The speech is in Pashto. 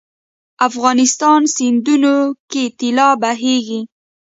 افغانستان سیندونو کې طلا بهیږي 😱